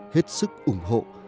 hết sức ủng hộ